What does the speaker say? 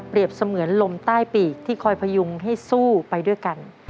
เสมือนลมใต้ปีกที่คอยพยุงให้สู้ไปด้วยกัน